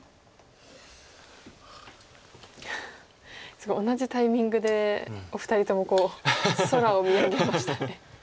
すごい同じタイミングでお二人とも空を見上げましたね。